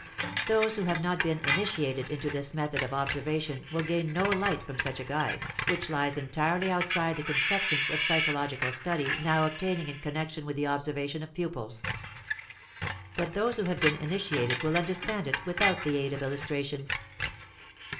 Those who have not been initiated into this method of observation will gain no light from such a guide, which lies entirely outside the conceptions of psychological study now obtaining in connection with the observation of pupils. But those who have been initiated will understand it without the aid of illustration.